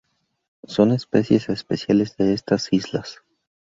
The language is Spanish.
Son especies especiales de estas islas.